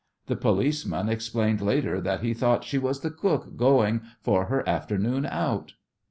The policeman explained later that he thought "she was the cook going for her afternoon out."